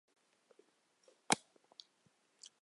针茎姬石蛾为姬石蛾科姬石蛾属下的一个种。